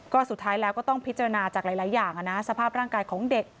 ก็สุดท้ายแล้วก็ต้องพิจารณาจากหลายอย่างสภาพร่างกายของเด็ก